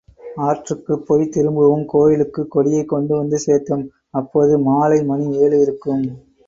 ஆற்றுக்குப் போய்த் திரும்பவும் கோயிலுக்குக் கொடியைக் கொண்டு வந்து சேர்த்தோம் அப்போது மாலை மணி ஏழு இருக்கும்.